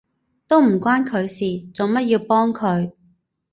都唔關佢事，做乜要幫佢？